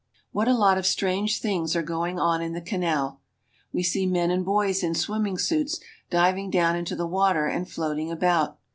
What a lot of strange things are going on in the canal. We see men and boys in swimming suits diving down into the water and floating about.